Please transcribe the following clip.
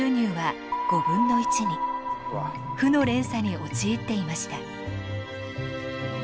負の連鎖に陥っていました。